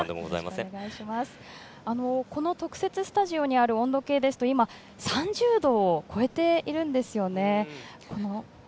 この特設スタジオにある温度計ですと今、３０度を超えているんですね。